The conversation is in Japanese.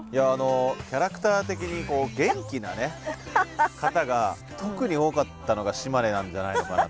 キャラクター的に元気な方が特に多かったのが島根なんじゃないのかなと。